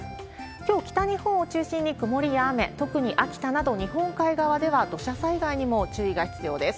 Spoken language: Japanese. きょう、北日本を中心に中心に曇りや雨、特に秋田など日本海側では、土砂災害にも注意が必要です。